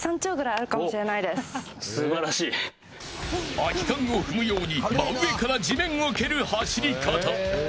空き缶を踏むように真上から地面を蹴る走り方。